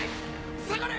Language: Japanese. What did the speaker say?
下がれ！